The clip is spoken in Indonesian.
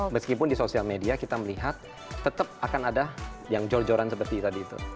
meskipun di sosial media kita melihat tetap akan ada yang jor joran seperti tadi itu